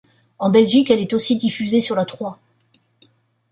En Belgique, elle est aussi diffusé sur La Trois.